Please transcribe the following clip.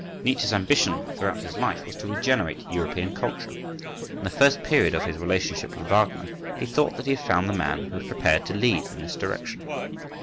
Nietzsche's ambition, throughout his life, was to regenerate European culture. In the first period of his relationship with Wagner, he thought that he had found the man who was prepared to lead in this direction.